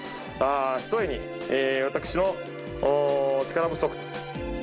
ひとえに私の力不足。